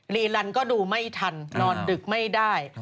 ลีลันก็ดูไม่ทันนอนดึกไม่ได้